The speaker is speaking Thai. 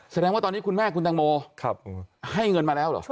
แสดงว่าตอนนี้คุณแม่คุณตังโมให้เงินมาแล้วเหรอ